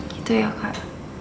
gitu ya kak